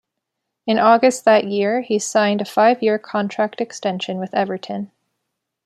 In August that year, he signed a five-year contract extension with Everton.